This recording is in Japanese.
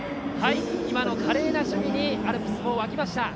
今の華麗な守備にアルプスも沸きました。